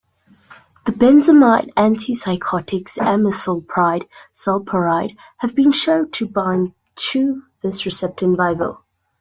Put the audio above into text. The benzamide antipsychotics-amisulpride, sulpiride-have been shown to bind to this receptor in vivo.